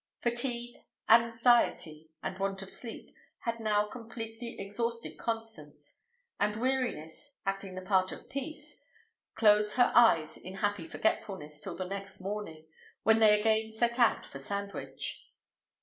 Fatigue, anxiety, and want of sleep, had now completely exhausted Constance; and weariness, acting the part of peace, closed her eyes in happy forgetfulness till the next morning, when they again set out for Sandwich.